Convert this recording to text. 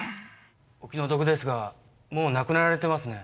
お気の毒ですがもう亡くなられてますね。